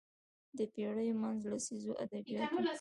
د پېړۍ منځ لسیزو ادبیات وو